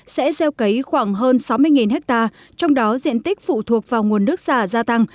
sẽ gieo cấy khoảng hơn sáu mươi ha trong đó diện tích phụ thuộc vào nguồn nước xả gia tăng